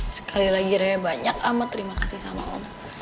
sekali lagi raya banyak amat terima kasih sama allah